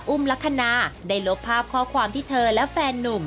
ลักษณะได้ลบภาพข้อความที่เธอและแฟนนุ่ม